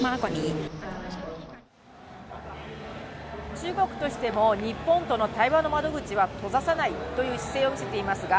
中国としても日本との対話の窓口は閉ざさないという姿勢を見せていますが、